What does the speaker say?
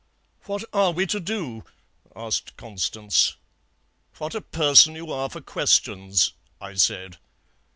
"'What are we to do?' asked Constance. "'What a person you are for questions,' I said.